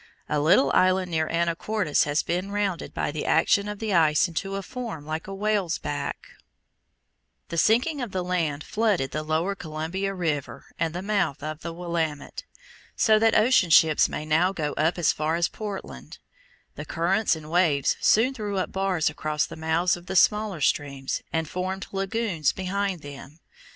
A little island near Anacortes (Fig. 36) has been rounded by the action of the ice into a form like a whale's back. [Illustration: FIG. 37. AN ABANDONED OCEAN CLIFF Southern California] The sinking of the land flooded the lower Columbia River and the mouth of the Willamette, so that ocean ships may now go up as far as Portland. The currents and waves soon threw up bars across the mouths of the smaller streams, and formed lagoons behind them.